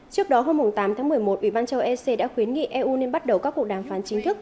trước đó hôm tám tháng một mươi một ủy ban châu ec đã khuyến nghị eu nên bắt đầu các cuộc đàm phán chính thức